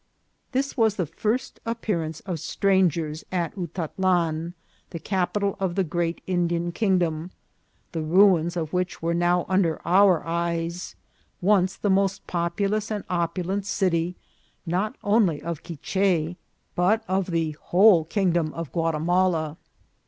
This was the first appearance of strangers at Utatlan, the capital of the great Indian kingdom, the ruins of which were now under our eyes, once the most popu lous and opulent city, not only of Quiche, but of the VOL. II.— Z 178 INCIDENTS OF TRAVEL. whole kingdom of Guatimala.